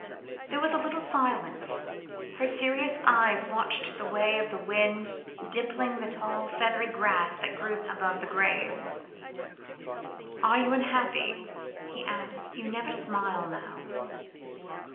There was a little silence. Her serious eyes watched the way of the wind dimpling the tall, feathery grass that grew above the graves. "Are you unhappy?" he asked; "you never smile now."